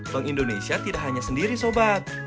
bank indonesia tidak hanya sendiri sobat